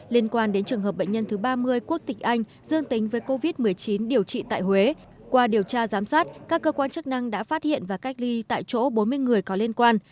liên quan đến trường hợp bệnh nhân thứ ba mươi quốc tịch anh dương tính với covid một mươi chín điều trị tại huế qua điều tra giám sát các cơ quan chức năng đã phát hiện và cách ly tại chỗ bốn mươi người có liên quan